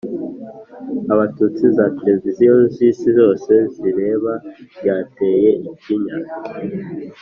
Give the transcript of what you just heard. Abatutsi za televiziyo z'isi yose zibireba ryateye ikinya